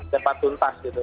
cepat tuntas gitu